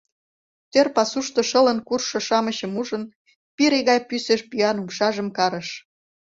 Тӧр пасушто шылын куржшо-шамычым ужын, пире гай пӱсӧ пӱян умшажым карыш.